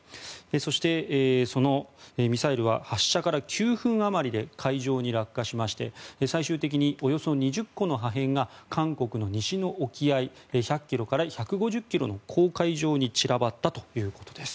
そして、そのミサイルは発射から９分あまりで海上に落下しまして最終的におよそ２０個の破片が韓国の西の沖合１００ｋｍから１５０ｋｍの公海上に散らばったということです。